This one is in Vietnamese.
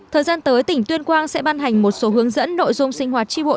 thời gian tới tỉnh tuyên quang sẽ ban hành một số hướng dẫn nội dung sinh hoạt tri bộ